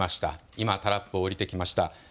今、タラップを降りてきました。